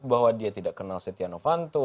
bahwa dia tidak kenal setia novanto